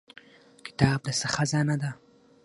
کتاب د څه خزانه ده؟